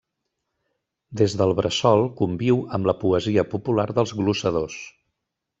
Des del bressol conviu amb la poesia popular dels glossadors.